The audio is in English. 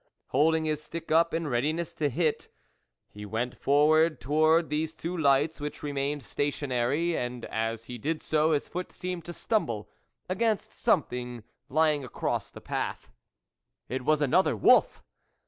Holding his stick up in readiness to hit, he went forward towards these two lights, which remained station ary, and as he did so, his foot seemed to stumble against something lying across the path it was another wolf.